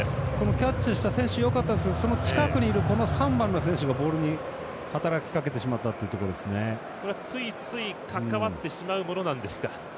キャッチした選手よかったんですがその近くにいる３番の選手がボールに働きかけてしまったついついかかわってしまうものなんですか。